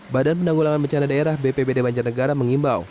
badan penanggulangan bencana daerah bpbd banjarnegara mengimbau